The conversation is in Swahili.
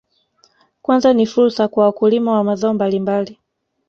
Kwanza ni fursa kwa wakulima wa mazao mbalimbali